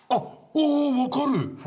あ分かる！